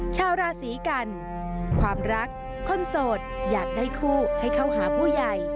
ชาวราศีกันความรักคนโสดอยากได้คู่ให้เข้าหาผู้ใหญ่